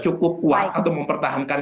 cukup kuat atau mempertahankan